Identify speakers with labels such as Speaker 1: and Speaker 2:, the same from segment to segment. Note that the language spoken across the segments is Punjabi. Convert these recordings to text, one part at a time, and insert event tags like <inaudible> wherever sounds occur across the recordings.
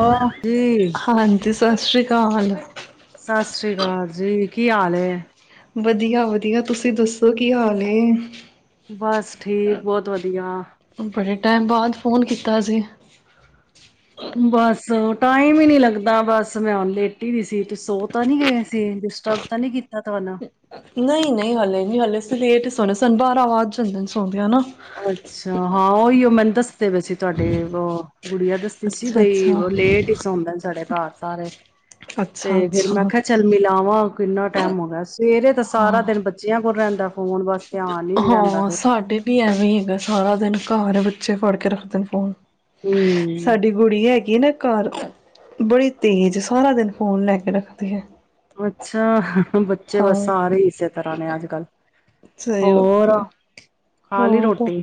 Speaker 1: ਹੋਰ ਜੀ,
Speaker 2: ਹਾਂਜੀ ਸਤਿ ਸ਼੍ਰੀ ਅਕਾਲ,
Speaker 1: ਸਤਿ ਸ੍ਰੀ ਅਕਾਲ ਜੀ ਕੀ ਹਾਲ ਐ।
Speaker 2: ਵਧੀਆ-ਵਧੀਆ ਤੁਸੀਂ ਦੱਸੋ ਕੀ ਹਾਲ ਨੇ,
Speaker 1: ਬਸ ਠੀਕ ਬਹੁਤ ਵਧੀਆ
Speaker 2: ਬੜੇ ਟਾਈਮ ਬਾਅਦ ਫੋਨ ਕੀਤਾ। ਤਾਜ਼ੀ,
Speaker 1: ਬਸ ਟਾਈਮ ਹੀ ਨੀ ਲੱਗਦਾ ਬਸ, ਬਸ ਹੁਣ ਮੈਂ ਲੇਟੀ ਵੀ ਸੀ। ਸੋ ਤਾਂ ਨੀ ਗਏ। ਡਿਸਟਰਬ ਤਾਂ ਨੀ ਕੀਤਾ। ਤੁਹਾਨੂੰ
Speaker 2: ਨਹੀਂ-ਨਹੀਂ ਹਲੇ ਨੀ ਹਲੇ। ਲੇਟ ਹੀ ਸੋਨੇ ਆ ਸਾਨੂੰ ਬਾਰਾਂ ਵੱਜ ਜਾਂਦੇ ਨੇ ਸੌਂਦਿਆ ਨੂੰ,
Speaker 1: ਅੱਛਾ, ਹਾਂ ਉਹੀ ਉਹ ਮੈਨੂੰ ਦੱਸ। ਦੇ ਵਿੱਚ ਤੁਹਾਡੇ ਵ ਗੁੜੀਆ ਦੱਸੀ ਸੀ
Speaker 2: ਅੱਛਾ
Speaker 1: ਬਈ
Speaker 2: ਅੱਛਾ
Speaker 1: ਉਹ ਲੇਟ ਹੀ ਸੌਂਦਾ ਸਾਡੇ ਘਰ ਸਾਰੇ।
Speaker 2: ਅੱਛਾ
Speaker 1: ਤੇ ਫੇਰ ਮੈਂ
Speaker 2: ਅੱਛਾ
Speaker 1: ਕਿਹਾ ਚਲ ਮਿਲਾ ਵਾ ਕਿੰਨਾ ਟਾਈਮ ਹੋ ਗਿਆ ਸਵੇਰੇ ਦਾ ਸਾਰਾ
Speaker 2: ਹਾਂ
Speaker 1: ਦਿਨ ਬੱਚਿਆਂ ਕੋਲ ਰਹਿੰਦਾ ਫੋਨ ਬਸ ਧਿਆਨ ਹੀ ਨੀ ਰਹਿੰਦਾ
Speaker 2: ਹਾਂ
Speaker 1: ਫਿਰ
Speaker 2: ਸਾਡੇ ਵੀ ਐਵੇਂ ਸਾਰਾ ਦਿਨ ਘਰ ਬੱਚੇ ਫੜ ਕੇ ਰੱਖਦੇ ਨੇ ਫੋਨ
Speaker 1: ਹਮ
Speaker 2: ਸਾਡੀ ਕੁੜੀ ਏ ਇਹ ਨਾ ਘਰ ਬੜੇ ਤੇਜ਼ ਸਾਰਾ ਦਿਨ ਫੋਨ ਲੈ ਕੇ ਰੱਖਦੀ ਹੈ
Speaker 1: ਅੱਛਾ ਹੁਣ ਬੱਚੇ ਬਸ
Speaker 2: ਹਾਂ
Speaker 1: ਸਾਰੇ ਹੀ ਇਸੇ ਤਰ੍ਹਾਂ ਨੇ ਅੱਜ ਕੱਲ
Speaker 2: ਸਹੀ ਹੋ,
Speaker 1: ਹੋਰ ਖਾ ਲਈ
Speaker 2: ਹੋਰ
Speaker 1: ਰੋਟੀ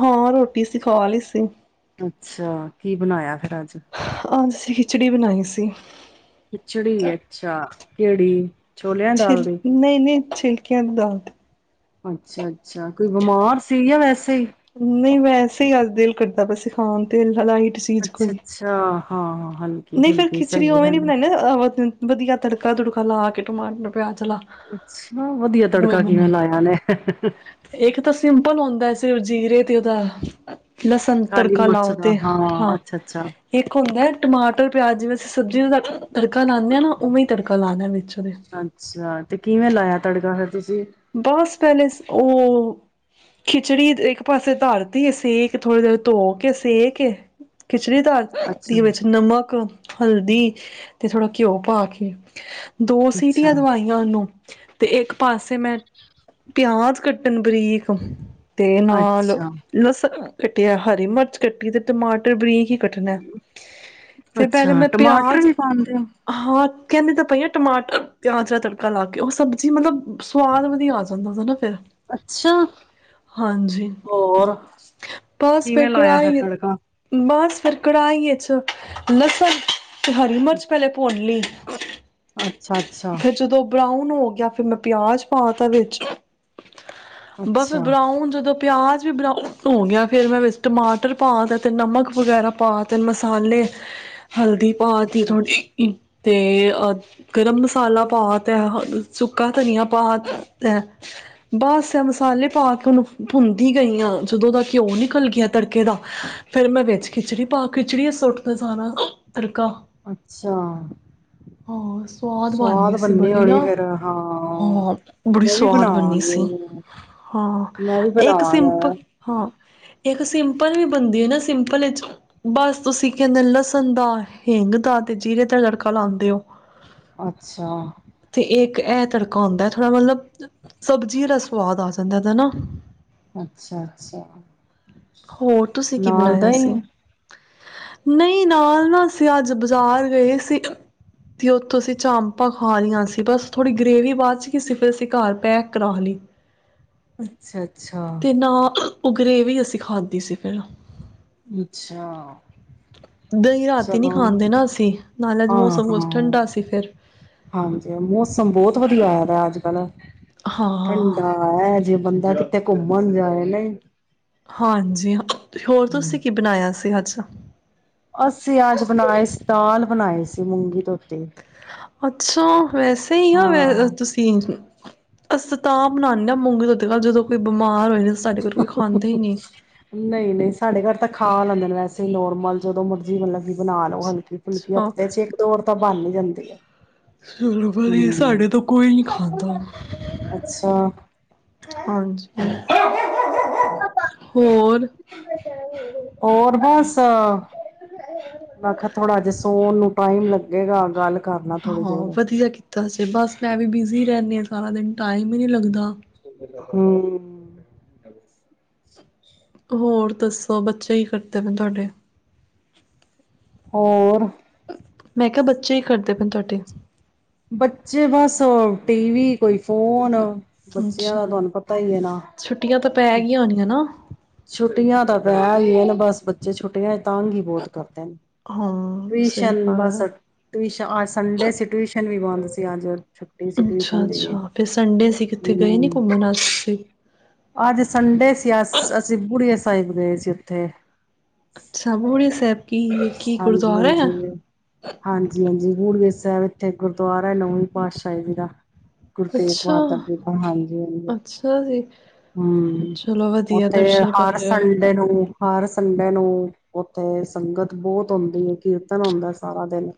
Speaker 2: ਹਾਂ ਰੋਟੀ ਅਸੀ ਖਾ ਲਈ ਸੀ
Speaker 1: ਅੱਛਾ ਕੀ ਬਣਾਇਆ ਫੇਰ ਅੱਜ
Speaker 2: ਅੱਜ ਅਸੀਂ ਖਿਚੜੀ ਬਣਾਈ ਸੀ
Speaker 1: ਖਿਚੜੀ ਅੱਛਾ ਕਿਹੜੀ ਛੋਲਿਆਂ ਦੀ ਦਾਲ ਦੀ
Speaker 2: ਨਹੀਂ ਨਹੀਂ ਛਿਲਕਿਆਂ ਦੀ ਦਾਲ ਦੀ
Speaker 1: ਅੱਛਾ ਅੱਛਾ ਕੋਈ ਬਿਮਾਰ ਸੀ ਜਾ ਵੈਸੇ ਈ
Speaker 2: ਨਹੀਂ ਵੈਸੇ ਹੀ ਅੱਜ ਦਿਲ ਕਰਦਾ ਬਸ ਖਾਣ ਤੇ ਬਣਾਈ
Speaker 1: ਅੱਛਾ ਅੱਛਾ ਹਾਂ ਹਾਂ
Speaker 2: ਨਹੀਂ ਫੇਰ ਖਿਚੜੀ ਉਵੇਂ ਨੀ ਬਣਾਈ ਵਧੀਆ ਤੜਕਾ ਤੜਕਾ ਲਾ ਕੇ ਟਮਾਟਰ ਪਿਆਜ ਲਾ
Speaker 1: ਅੱਛਾ ਵਧੀਆ
Speaker 2: ਉਵੇਂ
Speaker 1: ਤੜਕਾ ਕਿਵੇਂ
Speaker 2: ਬਣਾਈ
Speaker 1: ਲਾਇਆ ਉਹਨੇ
Speaker 2: ਇੱਕ ਤਾਂ ਸਿੰਪਲ ਹੁੰਦਾ ਜੀਰੇ ਤੇ ਉਹਦਾ ਲਸਣ
Speaker 1: ਕਾਲੀ
Speaker 2: ਤੜਕਾ
Speaker 1: ਮਿਰਚ
Speaker 2: ਲਾਓ
Speaker 1: ਦਾ
Speaker 2: ਤੇ ਹਾਂ
Speaker 1: ਅੱਛਾ ਅੱਛਾ
Speaker 2: ਇੱਕ ਹੁੰਦਾ ਟਮਾਟਰ ਪਿਆਜ ਜਿਵੇਂ ਅਸੀਂ ਸਬਜ਼ੀਆਂ ਨੂੰ ਦਾ ਤੜਕਾ ਲਾਣੇ ਆ ਨਾ ਉਵੇਂ ਹੀ ਤੜਕਾ ਲਾਉਣਾ ਵਿੱਚ ਉਹਦੇ
Speaker 1: ਅੱਛਾ ਤੇ ਕਿਵੇਂ ਲਾਇਆ ਤੜਕਾ ਫਿਰ ਤੁਸੀਂ
Speaker 2: ਬਸ ਪਹਿਲੇ ਉਹ ਖਿਚੜੀ ਇੱਕ ਪਾਸੇ ਧਰ ਤੀ ਅਸੀ ਥੋੜੀ ਦੇਰ ਧੋ ਕੇ ਸੇ ਕੇ ਖਿਚੜੀ ਦਾਲ
Speaker 1: ਅੱਛਾ
Speaker 2: ਦੀ ਵਿੱਚ ਨਮਕ ਹਲਦੀ ਤੇ ਥੋੜ੍ਹਾ ਘਿਓ ਪਾ ਕੇ ਦੋ
Speaker 1: ਅੱਛਾ
Speaker 2: ਸੀਟੀਆਂ ਦਵਾਈਆਂ ਉਹਨੂੰ ਤੇ ਇੱਕ ਪਾਸੇ ਮੈਂ ਕੱਟਨ ਬਰੀਕ ਤੇ ਨਾਲ
Speaker 1: ਅੱਛਾ
Speaker 2: ਲਸ ਕੱਟਿਆ, ਹਰੀ ਮਿਰਚ ਕੱਟੀ ਤੇ ਟਮਾਟਰ ਬਰੀਕ ਕੱਟਨਾ ਐ, ਫਿਰ ਪਹਿਲੇ
Speaker 1: ਅੱਛਾ
Speaker 2: ਮੈਂ
Speaker 1: ਟਮਾਟਰ
Speaker 2: ਪਿਆਜ਼
Speaker 1: ਵੀ ਪਾਉਂਦੇ ਹੋ
Speaker 2: ਹਾਂ ਕਹਿੰਦੀ ਤਾਂ ਪਈ ਆ, ਟਮਾਟਰ ਪਿਆਜ ਦਾ ਤੜਕਾ ਲਾ ਕੇ ਉਹ ਸਬਜ਼ੀ ਮਤਲਬ ਸਵਾ ਆ ਜਾਂਦਾ ਸੀ ਨਾ ਫਿਰ,
Speaker 1: ਅੱਛਾ
Speaker 2: ਹਾਂਜੀ
Speaker 1: ਹੋਰ
Speaker 2: ਬਸ ਫਿਰ
Speaker 1: ਕਿਵੇਂ ਲਾਇਆ
Speaker 2: ਕੜਾਾਈ
Speaker 1: ਤੜਕਾ?
Speaker 2: ਬਸ ਫਿਰ ਕੜਾਹੀ 'ਚ ਲਸਨ ਤੇ ਹਰੀ ਮਿਰਚ ਪਹਿਲੇ ਭੁਨ ਲਈ। <unintelligible>
Speaker 1: ਅੱਛਾ-ਅੱਛਾ।
Speaker 2: ਨ ਹੋ ਗਿਆ ਫਿਰ ਮੈਂ ਪਿਆਜ ਪਾ ਤਾ ਵਿੱਚ ਬਫ਼ ਫੇਰ
Speaker 1: ਅੱਛਾ
Speaker 2: ਬਰਾਉਨ ਜਦੋਂ ਪਿਆਜ਼ ਵੀ ਬ੍ਰਾਊਨ ਹੋ ਗਿਆ ਫਿਰ ਮੈਂ ਵਿੱਚ ਟਮਾਟਰ ਪਾ ਤੇ, ਤੇ ਨਮਕ ਵਗੈਰਾ ਪਾ ਤੇ ਮਸਾਲੇ ਹਲਦੀ ਪਾਤੀ
Speaker 1: ਅੱਛਾ ਅੱਛਾ
Speaker 2: ਥੋੜ੍ਹੀ ਤੇ ਅ ਗਰਮ ਮਸਾਲਾ ਪਾ ਤਾ, <unintelligible> ਸੁੱਕਾ ਧਨੀਆ ਪਾ ਤਾ ਤੈ, ਬਸ ਇਹ ਮਸਾਲੇ ਪਾ ਕੇ ਉਹਨੂੰ ਭੁੰਦੀ ਗਈ ਆਂ, ਜਦੋਂ ਓਹਦਾ ਘਿਓ ਨਿਕਲ ਗਿਆ ਤੜਕੇ ਦਾ, ਫੇਰ ਮੈਂ ਵਿੱਚ ਖਿਚੜੀ ਪਾ, ਖਿਚੜੀ ਸੁੱਟਦਾ ਸਾਰਾ। ਤੜਕਾ
Speaker 1: ਅੱਛਾ
Speaker 2: ਹਾਂ ਬਣ
Speaker 1: ਸਵਾਦ
Speaker 2: ਗਈ ਸੀ
Speaker 1: ਬਨੀ
Speaker 2: ਬੜੀ
Speaker 1: ਹੋਨੀ
Speaker 2: ਨਾ
Speaker 1: ਫੇਰ ਹਾਂ।
Speaker 2: ਬੜੀ
Speaker 1: ਮੈਂ ਵੀ
Speaker 2: ਸਵਾਦ ਬਨੀ ਸੀ,
Speaker 1: ਬਣਾਵਾਂਗੀ
Speaker 2: ਹਾਂ
Speaker 1: ਮੈਂ ਵੀ
Speaker 2: ਇੱਕ
Speaker 1: ਬਣਾਵਾਂਗੀ
Speaker 2: ਸਿੰਪਲ
Speaker 1: ਐਵੇਂ
Speaker 2: ਹਾਂ ਇੱਕ ਸਿੰਪਲ ਵੀ ਬਨਦੀ ਹੈ ਨਾ, ਸਿੰਪਲ ਚ ਬਸ ਤੁਸੀਂ ਕਹਿੰਦੇ ਲਸਨ ਦਾ, ਹਿੰਂਗ ਦਾ ਤੇ ਜੀਰੇ ਤੇ ਲੜਕਾ ਲਾਂਦੇ ਹੋ।
Speaker 1: ਅੱਛਾ।
Speaker 2: ਤੇ ਇੱਕ ਇਹ ਤੜਕਾ ਹੁੰਦਾ ਥੋੜਾ ਮਤਲਬ ਸਬਜ਼ੀ ਦਾ ਸਵਾਦ ਆ ਜਾਂਦਾ ਤੇ ਨਾ।
Speaker 1: ਅੱਛਾ-ਅੱਛਾ,
Speaker 2: ਹੋਰ ਤੁਸੀਂ ਕੀ
Speaker 1: ਨਾਲ
Speaker 2: ਬਣਾਇਆ
Speaker 1: ਦਹੀ
Speaker 2: ਸੀ ਨਹੀਂ ਨਾਲ ਨਾ ਅਸੀਂ ਅੱਜ ਬਾਜ਼ਾਰ ਗਏ ਸੀ ਤੇ ਉੱਥੋਂ ਅਸੀਂ ਚਾਪਾਂ ਖਾ ਲਈਆਂ ਸੀ, ਬਸ ਥੋੜੀ ਗ੍ਰੇਵੀ ਬਚ ਗਈ ਸੀ ਫਿਰ ਤੇ ਘਰ ਪੈਕ ਕਰਾ ਲੀ।
Speaker 1: ਅੱਛਾ-ਅੱਛਾ।
Speaker 2: ਉਹ ਗ੍ਰੇਵੀ ਅਸੀਂ ਖਾਧੀ ਸੀ ਫਿਰ।
Speaker 1: ਅੱਛਾ
Speaker 2: ਦਹੀਂ ਰਾਤੀ ਨਹੀਂ
Speaker 1: ਚਲੋ,
Speaker 2: ਖਾਂਦੇ ਨਾ ਅਸੀਂ ਨਾਲ ਅੱਜ ਮੌਸਮ ਕੁਛ
Speaker 1: ਹਾਂ-ਹਾਂ,
Speaker 2: ਠੰਡਾ ਸੀ ਫਿਰ
Speaker 1: ਹਾਂਜੀ, ਮੌਸਮ ਬਹੁਤ ਵਧੀਆ ਤੇ ਅੱਜ ਕੱਲ
Speaker 2: ਹਾਂ
Speaker 1: ਠੰਡਾ ਐ ਜੇ ਬੰਦਾ ਤੇ ਘੁੰਮਨ ਜਾਏ ਨਹੀਂ।
Speaker 2: ਹਾਂਜੀ। ਹੋਰ ਤੁਸੀਂ ਕੀ ਬਨਾਇਆ ਸੀ? ਅੱਛਾ,
Speaker 1: ਅਸੀਂ ਅੱਜ ਬਣਾਏ ਸੀ ਦਾਲ, ਬਣਾਏ ਸੀ ਮੂੰਗੀ ਤੋਂ
Speaker 2: ਅੱਛਾ ਵੈਸੇ ਹੀ ਆ ਵੈ
Speaker 1: ਹਾਂ
Speaker 2: ਤੁਸੀਂ, ਅਸੀਂ ਤਾਂ ਬਣਾਦੇ ਹਾਂ ਮੂੰਗੀ ਧੋਤੀ ਦਾਲ ਗੱਲ ਜਦੋਂ ਕੋਈ ਬਿਮਾਰ ਹੋਏ ਸਾਡੇ ਕੋਲ ਕੋਈ ਖਾਂਦਾ ਹੀ ਨੀ,
Speaker 1: ਖਾਂ ਲੈਂਦੇ ਨੇ ਵੈਸੇ ਨੋਰਮਲ ਜਦੋਂ ਮਰਜ਼ੀ ਮਤਲਬ ਕਿ ਬਣਾ ਲੋ ਹਲਕੀ ਫੁਲਕੀ
Speaker 2: ਅੱਛਾ
Speaker 1: ਹਫਤੇ ਚ ਇੱਕ ਦੋ ਵਾਰ ਤੋ ਬਨ ਵੀ ਜਾਂਦੀ ਹੈ।
Speaker 2: ਚਲੋ, ਵੀ ਸਾਡੇ
Speaker 1: ਹਮ
Speaker 2: ਤੋਂ ਕੋਈ ਨੀ ਖਾਂਦਾ
Speaker 1: ਅੱਛਾ
Speaker 2: ਹਾਂਜੀ। ਹੋਰ,
Speaker 1: ਔਰ ਬਸ ਵਖਤ ਬੜਾ ਅੱਜ ਸੌਣ ਨੂੰ ਟਾਈਮ ਲੱਗੇਗਾ, ਗੱਲ ਕਰਨਾ ਥੋੜ੍ਹੀ ਦੇਰ,
Speaker 2: ਬੈਸੇ ਬਸ ਮੈਂ ਵੀ ਬਿਜ਼ੀ ਰਹਿੰਦੀ ਹਾਂ ਸਾਰਾ ਦਿਨ ਟਾਈਮ ਹੀ ਨਹੀਂ ਲੱਗਦਾ।
Speaker 1: ਹੂੰ,
Speaker 2: ਹੋਰ ਦਸੋ, ਬੱਚੇ ਕਿ ਕਰਦੇ ਪਏ ਤੁਹਾਡੇ
Speaker 1: ਹੋਰ,
Speaker 2: ਮੈਂ ਕਿਹਾ ਬੱਚੇ ਕਿ ਕਰਦੇ ਪਾਏ ਤੁਹਾਡੇ?
Speaker 1: ਟੀਵੀ ਕੋਈ ਫੋਨ, ਬੱਚਿਆਂ ਦਾ
Speaker 2: ਅੱਛਾ
Speaker 1: ਤੁਹਾਨੂੰ ਪਤਾ ਹੀ ਹੈ ਨਾ
Speaker 2: ਛੁੱਟੀਆਂ ਤਾਂ ਪੈ ਗਈਆਂ ਹੋਣੀਆਂ ਨਾ
Speaker 1: ਛੁੱਟੀਆਂ ਦਾ ਬੈ ਆ ਨੇ ਬਸ ਬੱਚੇ ਛੋਟੇ <unintelligible> ਤੰਗ ਹੀ ਬਹੁਤ ਕਰਦੇ ਨੇ
Speaker 2: ਹਾਂ ਸਹੀ
Speaker 1: ਟਿਊਸ਼ਨ
Speaker 2: ਗੱਲ
Speaker 1: ਬਸ
Speaker 2: ਆ
Speaker 1: ਅੱਜ ਸੰਡੇ ਸੀ, ਟਿਊਸ਼ਨ ਵੀ ਬੰਦ ਅਸੀ ਅੱਜ, ਛੁੱਟੀ ਸੀ,
Speaker 2: ਅੱਛਾ
Speaker 1: ਟਿਊਸ਼ਨ ਦੇ
Speaker 2: ਅੱਛਾ ਫਿਰ ਸੰਡੇ ਸੀ ਕਿੱਥੇ ਗਏ ਨੀ
Speaker 1: ਹੂੰ
Speaker 2: ਘੁੰਮਣ ਅਸੀਂ
Speaker 1: ਅੱਜ ਸੰਡੇ ਸੀ। ਬੂੜਿਆ ਸਾਹਿਬ ਗਏ ਸੀ ਉੱਥੇ,
Speaker 2: ਅੱਛਾ, ਬੂੜੀ ਸਾਹਿਬ ਕੀ ਕੀ
Speaker 1: ਹਾਂਜੀ
Speaker 2: ਗੁਰਦੁਆਰੇ ਐ।
Speaker 1: ਹਾਂਜੀ ਹਾਂਜੀ ਹਾਂਜੀ ਬੂੜੀਏ ਸਾਹਿਬ ਇੱਥੇ ਗੁਰਦੁਆਰਾ ਹੈ, ਨਵੀਂ ਪਾਤਸ਼ਾਹੀ ਜੀ ਦਾ ਗੁਰੂ ਰੇਗ
Speaker 2: ਅੱਛਾ
Speaker 1: ਬਹਾਦਰ ਸਾਹਿਬ ਜੀ ਦਾ ਹਾਂਜੀ ਹਾਂਜੀ
Speaker 2: ਅੱਛਾ ਜੀ ਚਲੋ
Speaker 1: ਓਕੇ,
Speaker 2: ਵਧੀਆ
Speaker 1: ਤੇ
Speaker 2: ਦਰਸ਼ਨ ਕਰ
Speaker 1: ਹਰ
Speaker 2: ਰਹੇ ਹੋ
Speaker 1: ਸੰਡੇ ਨੂੰ, ਹਰ ਸੰਡੇ ਨੂੰ ਉੱਥੇ ਸੰਗਤ ਬਹੁਤ ਹੁੰਦੀ ਹੈ ਕੀਰਤਨ ਹੁੰਦਾ ਸਾਰਾ ਦਿਨ,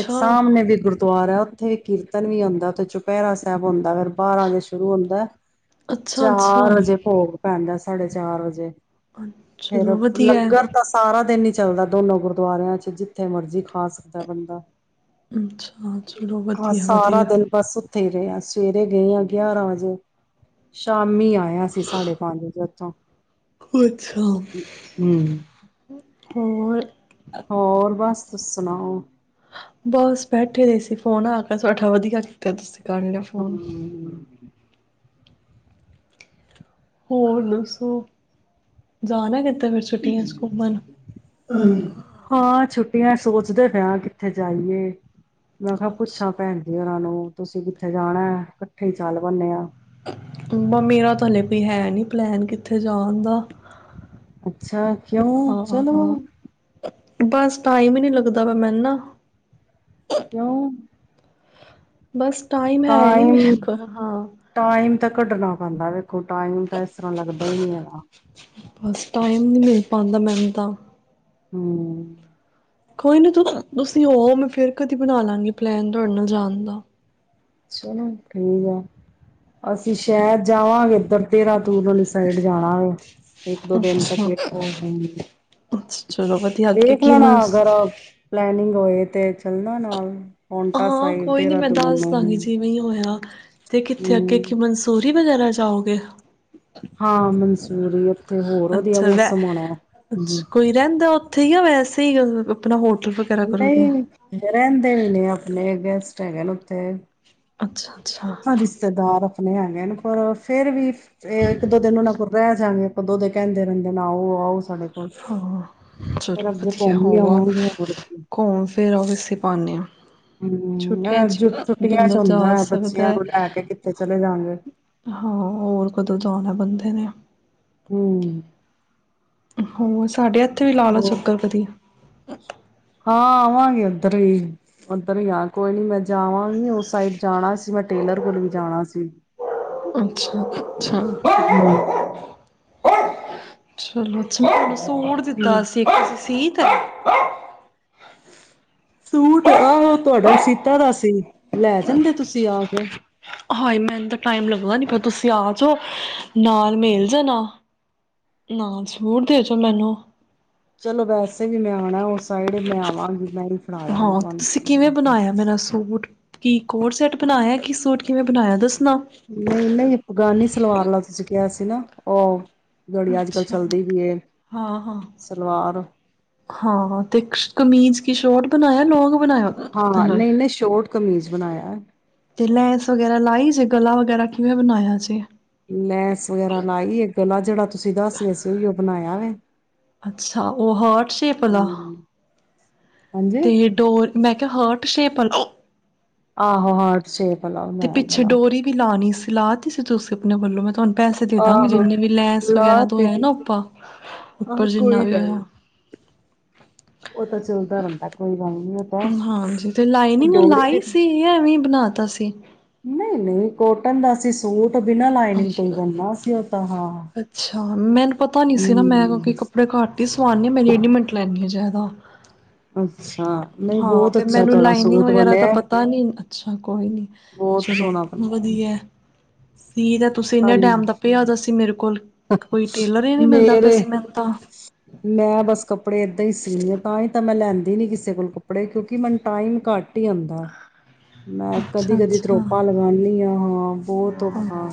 Speaker 1: ਇੱਕ ਸਾਮਣੇ ਵੀ ਗੁਰਦ ਦੁਆਰਾ ਹੈ ਉੱਥੇ ਕੀਰਤਨ ਵੀ ਹੁੰਦਾ ਤੇੇ ਚੁਪਹਿਰਾ ਸਾਹਿਬ ਹੂੰ <unintelligible> ਬਾਰਾਂ ਵਜੇ ਸ਼ੁਰੂ ਹੁੰਦਾ,
Speaker 2: ਅੱਛਾ ਅੱਛਾ
Speaker 1: ਚਾਰ ਵਜੇ ਭੋਗ। ਦਾ ਸਾਡੇ ਚਾਰ ਵਜੇ ਫੇਰ
Speaker 2: ਚਲੋ ਵਧੀਆ
Speaker 1: ਲੰਗਰ ਤਾਂ ਸਾਰਾ ਦਿਨ ਹੀ ਚੱਲਦਾ ਦੋਨੋ ਗੁਰਦੁਆਰਿਆਂ ਚ ਜਿੱਥੇ ਮਰਜ਼ੀ ਖਾ ਸਕਦਾ ਬੰਦਾ।
Speaker 2: ਅੱਛਾ, ਚਲੋ ਵਧੀਆ-ਵਧੀਆ।
Speaker 1: ਉਥੇ ਰਹੇ ਆਂ, ਸਵੇਰੇ ਗਏ ਆਂ ਗਿਆਰਾਂ ਵਜੇ, ਸ਼ਾਮੀ ਆਏ ਆਂ ਅਸੀ ਸਾਡੇ ਹਾਂਜੀ <unintelligible>
Speaker 2: ਅੱਛਾ ਹੋਰ
Speaker 1: ਹੋਰ ਬਸ ਤੁਸੀ ਸੁਣਾਓ।
Speaker 2: ਬਸ ਬੈਠੇ ਹੋਏ ਸੀ, ਫੋਨ ਆ ਗਿਆ ਤੁਹਾਡਾ, ਵਧੀਆ ਕੀਤਾ ਤੁਸੀਂ। ਕਰ ਲਿਆ ਫੋਨ
Speaker 1: ਹੂੰ।
Speaker 2: ਹੋਰ ਦੱਸੋ ਜਾਣਾ ਕਿਤੇ ਫਿਰ ਛੁੱਟੀਆਂ ਚ ਘੁੰਮਣ
Speaker 1: ਹਾਂ ਛੁ ਛੁਟਿਆਂ ਸੋਚਦੇ ਪਏ ਆਂ ਕਿੱਥੇ ਜਾਈਏ? ਮੈਂ ਕਿਹਾ ਪੁੱਛਾਂ ਭੈਣ ਜੀ ਓਰਾਂ ਨੂੰ। ਤੁਸੀਂ ਕਿੱਥੇ ਜਾਣਾ, ਇਕੱਠੇ ਹੀ ਚੱਲ ਪੈਨੇ ਆਂ।
Speaker 2: ਨਾ ਮੇਰਾ ਤਾਂ ਹਲੇੇ ਕੋਈ ਹੈ ਨਹੀਂ ਪਲੈਨ ਕਿੱਥੇ ਜਾਨ ਦਾ।
Speaker 1: ਅੱਛਾ। ਕਿਉਂ ਚਲੋ
Speaker 2: ਹਾਂ ਬਸ ਟਾਈਮ ਹੀ ਨਹੀਂ ਲੱਗਦਾ ਪਿਆ ਮੈਨੂੰ ਨਾ।
Speaker 1: ਕਿਉਂ?
Speaker 2: ਬਸ ਟਾਈਮ ਹੈ ਨੀ ਮੇਰੇ
Speaker 1: ਟਾਈਮ,
Speaker 2: ਕੋਲ ਹਾਂ
Speaker 1: ਟਾਈਮ ਤਾਂ ਕੱਢਣਾ ਪੈਂਦਾ ਵੇਖੋ ਟਾਈਮ ਤਾਂ ਇਸ ਤਰ੍ਹਾਂ ਲੱਗਦਾ ਹੀ ਨੀ ਹੈਗਾ।
Speaker 2: ਬਸ ਨੀ ਟਾਈਮ ਮਿਲ ਪਾਂਦਾ ਮੈਨੂੰ ਤਾਂ
Speaker 1: ਹੂੰ।
Speaker 2: ਕੋਈ ਨੀ ਤੁਸੀਂ ਹੋ ਆਓ ਮੈਂ ਫਿਰ ਕਦੀ ਬਨਾ ਲਾਂਗੀ ਪਲੈਨ ਤੁਹਾਡੇ ਨਾਲ ਜਾਨ ਦਾ।
Speaker 1: ਚੱਲੋ ਠੀਕ ਐ। ਅਸੀਂ ਸ਼ੈਦ ਜਾਵਾਂਗੇ। ਇਧਰ ਦੇਹਰਾਦੂਨ ਵਾਲੀ ਸਾਈਡ ਜਾਣਾ ਵੇ। ਇੱਕ ਦੋ ਦਿਨ ਤੱਕ
Speaker 2: ਅੱਛਾ
Speaker 1: ਵੇਖੋ ਹੂੰ।
Speaker 2: ਅੱਛਾ ਚਲੋ ਵਧੀਆ ਅੱਗੇ
Speaker 1: ਦੇਖ
Speaker 2: ਕੀ
Speaker 1: ਲੈਣਾ
Speaker 2: ਮਸ
Speaker 1: ਅਗਰ ਪਲੈਨ <unintelligible> ਹੋਏ ਤੇ ਚੱਲਣਾ ਨਾਲ। ਪੋਂਟਾ
Speaker 2: ਹਾਂ
Speaker 1: ਸਾਈਡ
Speaker 2: ਕੋਈ ਨੀ ਮੈਂ
Speaker 1: ਦੇਹਰਾਦੂਨ
Speaker 2: ਦੱਸ
Speaker 1: ਨੂੰ
Speaker 2: ਦਾਂਗੀ
Speaker 1: ਹੂੰ
Speaker 2: ਜਿਵੇਂ ਹੋਇਆ, ਤੇ ਕਿੱਥੇ ਅੱਗੇ ਕੀ ਮਨਸੂਰੀ ਬੈਂਕ ਵਗੈਰਾ ਜਾਉਗੇ।
Speaker 1: ਹਾਂ ਮਨਸੂਰੀ ਉੱਥੇ ਹੋਰ ਵਧੀਆ
Speaker 2: ਅੱਛਾ ਵੈ
Speaker 1: ਮੌਸਮ ਹੋਣਾ,
Speaker 2: ਸਹੀ ਗੱਲ ਆਪਣਾ ਹੋ
Speaker 1: ਨਹੀ ਰਹਿੰਦੇ ਨੇ ਉੱਥੇ ਲ ਗੈਸਟ ਹੈਨੇ ਨੇ ਉੱਥੇ
Speaker 2: ਅੱਛਾ ਅੱਛਾ
Speaker 1: ਰਿਸ਼ਤੇਦਾਰ ਆਪਣੇ ਆ, ਪਰ ਫਿਰ ਵੀ ਇੱਕ ਦੋ ਦਿਨ ਰਹਿ ਜਾ ਗੇ ਕਦੋਂ ਦੇ ਕਹਿੰਦੇ ਰਹਿੰਦੇ ਨੈ ਆਉ ਆਉ।
Speaker 2: ਹੂੰ, ਚਲੋ ਵਧੀਆ
Speaker 1: ਘੁੰਮ ਵੀ
Speaker 2: ਹੋਆ
Speaker 1: ਆਵਾਂਗੇ ਹੋਰ ਕੀ
Speaker 2: ਘੁੰਮ ਫਿਰ ਇਸੇ ਬਹਾਨੇ,
Speaker 1: ਹੂੰ
Speaker 2: ਛੁੱਟੀਆਂ
Speaker 1: ਇਹ
Speaker 2: ਚ
Speaker 1: ਛੁੱਟੀਆਂ ਚ
Speaker 2: ਬੰਦਾ
Speaker 1: ਹੁੰਦਾ
Speaker 2: ਜਾ
Speaker 1: ਹੈ,
Speaker 2: ਸਕਦਾ
Speaker 1: ਬੱਚਿਆਂ
Speaker 2: ਹੈ
Speaker 1: ਨੂੰ ਲੈ ਕੇ ਕਿੱਥੇ ਚਲੇ ਜਾ ਗੇ।
Speaker 2: ਹਾਂ ਹੋਰ ਕਦੋਂ ਜਾਣਾ ਬੰਦੇ ਨੇ, <unintelligible>
Speaker 1: ਹੂੰ,
Speaker 2: ਹੋ ਸਾਢੇ ਅੱ ਉੱਥੇ ਵੀ ਲਾਲੋ
Speaker 1: ਉਹ
Speaker 2: ਚੱਕਰ ਕਦੀ।
Speaker 1: ਹਾਂ ਆਵਾਂਗੀ, ਉੱਧਰ ਹੀ ਉੱਧਰ ਹੀ ਆ ਕੋਈ ਨੀ ਮੈਂ ਜਾਵਾਂਗੀ, ਉਸ ਸਾਈਡ ਜਾਣਾ ਸੀ ਮੈਂ ਟੇਲਰ ਕੋਲ ਵੀ ਜਾਣਾ ਸੀ।
Speaker 2: ਅੱਛਾ-ਅੱਛਾ,
Speaker 1: ਹੂੰ।
Speaker 2: ਚਲੋ ਜੀ ਚਲੋ। ਸੂਟ
Speaker 1: ਹੂੰ
Speaker 2: ਦਿੱਤਾ ਸੀ ਇਕ ਤੁਸੀਂ, <inaudible>
Speaker 1: ਸੂਟ ਆਹੋ ਤੁਹਾਡਾ ਸੀਤਾ ਤਾ ਸੀ। ਲੈ ਜਾਂਦੇ ਤੁਸੀਂ ਆ ਕੇ,
Speaker 2: ਮੰਨੂੰ ਨੀ ਪਤਾ ਤੁਸੀਂ ਆਜੋ। ਨਾਲ ਮਿਲ ਜਾਣਾ। ਨਾਲ ਸੂਟ ਦੇ ਜੋ ਮੈਨੂੰ,
Speaker 1: ਚਲੋ ਵੈਸੇ ਵੀ ਮੈਂ ਆਣਾ ਉਸ ਸਾਈਡ ਮੈਂ ਆਵਾਂਗੀ ਮੈਂ ਵੀ,
Speaker 2: ਹਾਂ ਤੁਸੀਂ ਕਿਵੇਂ ਬਣਾਇਆ ਮੇਰਾ ਸੂਟ, ਕੀ ਕੋਟ ਸੈਟ ਬਣਾਇਆ ਕੀ ਸੂਟ ਕਿਵੇਂ ਬਣਾਇਆ ਦੱਸ
Speaker 1: ਨਹੀਂ-ਨਹੀਂ ਅਫਗਾਨੀ ਸਲਵਾਰ ਲਾ ਤੁਸੀਂ ਕਿਹਾ ਸੀ, ਨਾ ਉਹ ਜਿਹੜੀ ਅੱਜ ਕੱਲ੍ਹ
Speaker 2: ਅੱਛਾ
Speaker 1: ਚੱਲਦੀ ਵੀ ਏ ਸਲਵਾਰ
Speaker 2: ਹਾਂ-ਹਾਂ-ਹਾਂ ਤੇ ਕਮੀਜ਼, ਕਿ ਸ਼ੋਟ ਬਣਾਇਆ ਨ
Speaker 1: ਹਾਂ ਨਹੀਂ-ਨਹੀਂ ਸ਼ੋਟ ਕਮੀਜ਼, ਬਣਾਇਆ।
Speaker 2: ਤੇ ਲੈਂਸ ਵਗੈਰਾ ਲਾਈ ਜੇ ਗਲਾ ਵਗੈਰਾ ਕਿਵੇਂ ਬਣਾਇਆ ਸੀੇ।
Speaker 1: ਲੈਸ ਵਗੈਰਾ ਲਾਈ ਏ ਗਲਾ ਜਿਹੜਾ ਤੁਸੀਂ ਦੱਸ ਗਏ ਸੀ ਉਹੀ ਬਣਾਇਆ ਏ
Speaker 2: ਅੱਛਾ ਉਹ ਹਰਟ ਸ਼ੇਪ ਵਾਲਾ
Speaker 1: ਹੂੰ, ਹਾਂਜੀ
Speaker 2: ਤੇ ਡੋਰ ਮੈ ਤੇ ਹਰਟ ਸ਼ੇਪ ਆ
Speaker 1: ਆਹੋ ਹਰਟ ਸ਼ੇਪ ਆਲਾ
Speaker 2: ਤੇ
Speaker 1: ਮੈਂ
Speaker 2: ਪਿੱਛੇ
Speaker 1: ਗਲਾ
Speaker 2: ਡੋਰੀ ਵੀ ਲਾਉਣੀ ਸੀ ਲਾ ਤੀ ਸੀ ਤੁਸੀਂ ਆਪਣੇ ਵੱਲੋਂ ਮੈਂ ਤੁਹਾਨੂੰ ਪੈਸੇ ਦੇ ਦਾਂਗੀ
Speaker 1: ਆਹੋ
Speaker 2: ਜਿੰਨੇ ਵੀ ਲੈੰਸ ਵਗੈਰਾ
Speaker 1: ਲਾ
Speaker 2: ਦ
Speaker 1: ਤੇ
Speaker 2: ਹੋਇਆ ਨਾ ਆਪਾਂ
Speaker 1: ਆਹ
Speaker 2: ਉੱਪਰ ਜਿੰਨਾ
Speaker 1: ਕੋਈ
Speaker 2: ਵੀ
Speaker 1: ਗੱਲ
Speaker 2: ਹੋਇਆ
Speaker 1: ਨੀ ਉਹ ਤਾਂ ਚੱਲਦਾ ਰਹਿੰਦਾ ਕੋਈ ਗਲ ਨਹੀਂ
Speaker 2: ਹਾਂਜੀ ਤੇ ਲਾਈਨਿੰਗ
Speaker 1: ਦੇ
Speaker 2: ਲਾਈ ਸੀ ਯਾ ਐਵੇਂ ਈ ਬਣਾ ਤਾ ਸੀ
Speaker 1: ਨਹੀਂ ਨਹੀਂ ਕੋਟਨ ਦਾ ਸੀ ਸੂਟ ਬਿਨਾਂ ਲਾਈਨਿੰਗ ਤੋਂ ਹੀ
Speaker 2: ਅੱਛਾ
Speaker 1: ਬਣਨਾ ਸੀ ਉਹ ਤਾਂ ਹਾਂ।
Speaker 2: ਅੱਛਾ ਮੈਨੂੰ ਪਤਾ ਨੀ ਸੀ ਨਾ ਮੈਂ
Speaker 1: ਹੂੰ,
Speaker 2: ਕਿਉਂਕਿ ਕੱਪੜੇ ਘੱਟ ਈ ਸਵਾਨੀ ਆ ਮੈ ਰੈਡੀਮੇਡ ਲੈਂਦੀ ਆ ਜਿਆ ਜਿਆਦਾ
Speaker 1: <unintelligible> ਨਹੀਂ
Speaker 2: ਹਾਂ
Speaker 1: ਬਹੁਤ
Speaker 2: ਤੇ
Speaker 1: ਅੱਛਾ
Speaker 2: ਮੈਨੂੰ
Speaker 1: ਤੁਹਾਡਾ
Speaker 2: ਲਾਈਨਿੰਗ
Speaker 1: ਸੂਟ
Speaker 2: ਵਗੈਰਾ ਤਾਂ
Speaker 1: ਬਣਿਆ
Speaker 2: ਪਤਾ ਨਹੀਂ ਅੱਛਾ ਕੋਈ ਨੀ
Speaker 1: ਬਹੁਤ
Speaker 2: ਚਲੋ
Speaker 1: ਸੋਹਣਾ ਬਣਿਆ
Speaker 2: ਵਧੀਆ <inaudible> ਪੀ ਦਾ ਤੁਸੀਂ ਇੰਨੇ
Speaker 1: ਕੱਲ
Speaker 2: ਟੈਮ ਦਾ ਪਿਆ ਤਾਂ ਸੀ ਮੇਰੇ ਕੋ ਕੋਲ ਕੋਈ ਟੇਲਰ ਹੀ ਨਹੀਂ ਮਿਲਦਾ ਪਿਆ
Speaker 1: ਮੇਰੇ
Speaker 2: ਸੀ ਮੈਂਨੂੰ ਤਾਂ
Speaker 1: ਮੈਂ ਬਸ ਕੱਪੜੇ ਏਦਾਂ ਹੀ ਸੀਣੀ ਆ ਤਾਂ ਹੀ ਤਾਂ ਮੈਂ ਲੈਂਦੀ ਨੀ ਕਿਸੇ ਕੋਲ ਕੱਪੜੇ ਕਿਉਂਕਿ ਮੈਨੂੰ ਟਾਈਮ ਘੱਟ ਹੀ ਹੁੰਦਾ ਮੈਂ ਕਦੀ
Speaker 2: ਅੱਛਾ
Speaker 1: ਕਦੀ ਤਰੋਪਾ
Speaker 2: ਅੱਛਾ
Speaker 1: ਲਗਾਉਂਦੀ ਹਾਂ ਹਾਂ ਬਹੁਤ ਔਖਾ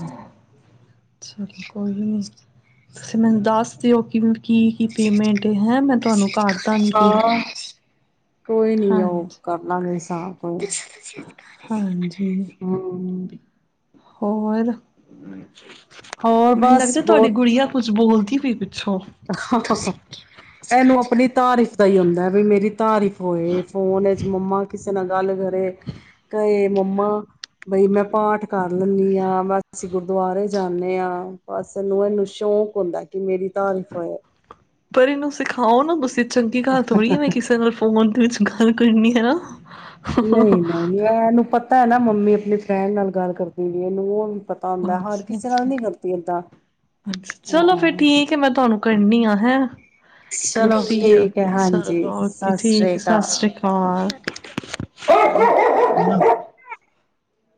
Speaker 2: ਚਲੋ ਕੋਈ ਨੀ ਤੁਸੀਂ ਮੈਨੂੰ ਦੱਸ ਦਿਓ ਕਿ ਕੀ ਕੀ ਪੇਮੈਂਟ ਹੈ ਮੈਂ ਤੁਹਾਨੂੰ ਘ
Speaker 1: ਹਾਂ ਕੋਈ ਨੀ ਉਹ
Speaker 2: ਹਾਂਜੀ
Speaker 1: ਕਰਲਾਂਗੇ <unintelligible>
Speaker 2: ਹਾਂਜੀ
Speaker 1: ਹਮਮ
Speaker 2: ਹੋਰ
Speaker 1: ਹੋਰ
Speaker 2: ਮੈਨੂੰ ਲੱਗਦਾ ਤੁਹਾਡੀ ਗੁੜੀਆ ਕੁੱਛ ਬੋਲ <inaudible>
Speaker 1: ਹਾ ਹਾ ਇਹਨੂੰ ਆਪਣੀ ਤਾਰੀਫ਼ ਦਾ ਹੀ ਹੁੰਦਾ ਬਈ ਮੇਰੀ ਤਾਰੀਫ਼ ਹੋਏ ਫੋਨ ਚ ਮੰਮਾ ਕਿਸੇ ਕਿਸੇ ਨਾਲ ਗੱਲ ਕਰੇ ਕਹੇ ਮੰਮਾ ਬਈ ਮੈਂ ਪਾਠ ਕਰ <unintelligible> ਅਸੀਂ ਗੁਰਦੁਆਰੇ ਜਾਂਦੇ ਹਾਂ ਬਸਨੂੰ ਇਹਨੂੰ ਸ਼ੌਕ ਹੁੰਦਾ ਕਿ ਮੇਰੀ ਧਾਰੀ <unintelligible>
Speaker 2: ਪਰ ਇਹਨੂੰ ਸਿਖਾਓ ਨਾ ਤੁਸੀਂ ਚੰਗੀ ਗੱਲਰ ਥੋੜ੍ਹੀ ਆ ਮੈਂ ਕਿਸੇ ਨਾਲ ਫੋਨ ਵਿੱਚ ਗੱਲ ਕਰਨੀ ਹੈ ਨਾ
Speaker 1: ਨਹੀਂ ਨਹੀਂ ਇਹਨੂੰ ਪਤਾ ਪਤਾ ਹੈ ਨਾ ਮੰਮੀ ਆਪਣੀ ਫਰੈਂਡ ਨਾਲ ਗੱਲ ਕਰਦੀ ਵੀ ਇਹਨੂੰ ਉਹ ਪਤਾ ਹੁੰਦਾ ਹਰ ਕਿਸੇ ਨਾਲ ਨੀ ਕਰਦੀ ਏਦਾਂ
Speaker 2: ਅੱ ਚਲੋ ਫਿਰ
Speaker 1: ਹਾਂ
Speaker 2: ਠੀਕ ਹੈ ਮੈਂ ਤੁਹਾਨੂੰ ਕਰਨੀ ਆ ਹੈਂ ਮੈਂ
Speaker 1: ਚਲੋ
Speaker 2: ਫਰੀ
Speaker 1: ਠੀਕ ਹੈ
Speaker 2: ਓਕੇ ਚਲੋ
Speaker 1: ਹਾਂਜੀ
Speaker 2: ਓਕੇ
Speaker 1: ਸਿ ਸ੍ਰੀ
Speaker 2: ਠੀਕ ਸਤਿ
Speaker 1: ਅਕਾਲ
Speaker 2: ਸ਼੍ਰੀ ਅਕਾਲ